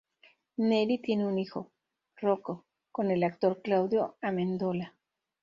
Neri tiene un hijo, Rocco, con el actor Claudio Amendola.